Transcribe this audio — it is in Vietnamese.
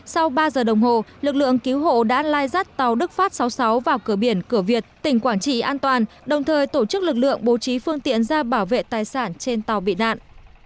sau ba giờ đồng hồ lực lượng cứu hộ đã lai rắt tàu đức phát sáu mươi sáu vào cửa biển cửa việt tỉnh quảng trị an toàn đồng thời tổ chức lực lượng bố trí phương tiện ra bảo vệ tài sản trên tàu bị nạn